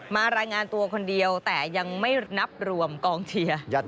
มารายงานตัวคนเดียวแต่ยังไม่นับรวมกองเชียร์